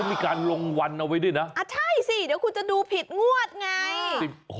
มีการลงวันเอาไว้ด้วยนะอ่าใช่สิเดี๋ยวคุณจะดูผิดงวดไง